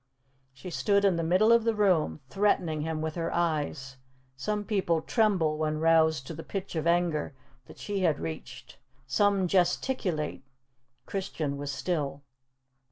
She stood in the middle of the room, threatening him with her eyes. Some people tremble when roused to the pitch of anger that she had reached; some gesticulate; Christian was still.